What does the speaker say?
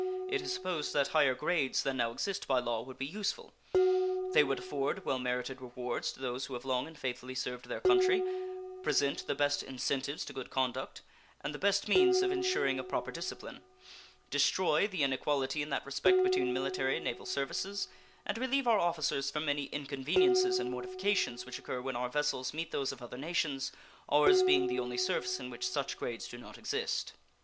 It is supposed that higher grades than now exist by law would be useful. They would afford well merited rewards to those who have long and faithfully served their country, present the best incentives to good conduct, and the best means of insuring a proper discipline; destroy the inequality in that respect between military and naval services, and relieve our officers from many inconveniences and mortifications which occur when our vessels meet those of other nations, ours being the only service in which such grades do not exist.